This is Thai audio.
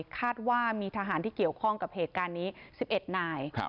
คาดว่ามีทหารที่เกี่ยวข้องกับเหตุการณ์นี้๑๑นาย